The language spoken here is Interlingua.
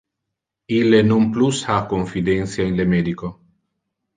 Ille non plus ha confidentia in le medico.